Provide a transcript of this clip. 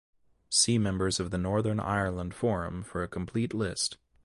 See members of the Northern Ireland Forum for a complete list.